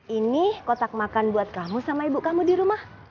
ini kotak makan buat kamu sama ibu kamu di rumah